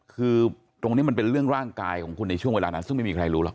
คือตรงนี้มันเป็นเรื่องร่างกายของคุณในช่วงเวลานั้นซึ่งไม่มีใครรู้หรอก